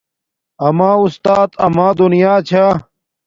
آما اُستات آما دنیا چھا